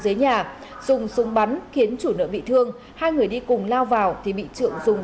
trượng dùng súng bắn khiến chủ nợ bị thương hai người đi cùng lao vào thì bị trượng dùng